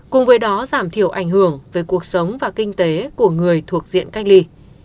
cùng với đó giảm thiểu ảnh hưởng về cuộc sống và kinh tế của người thuộc diện cách ly